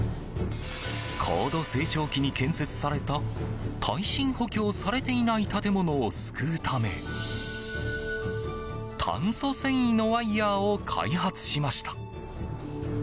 高度成長期に建設された耐震補強されていない建物を救うため炭素繊維のワイヤを開発しました。